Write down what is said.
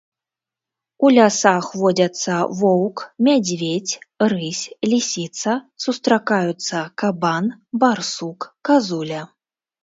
У лясах водзяцца воўк, мядзведзь, рысь, лісіца, сустракаюцца кабан, барсук, казуля.